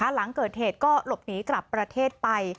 หลังเกิดเหตุก็หลบหนีกลับประเทศไป